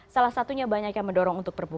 salah satunya banyak yang mendorong untuk perbu